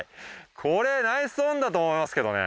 これナイスオンだと思いますけどね。